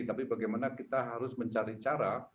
tapi bagaimana kita harus mencari cara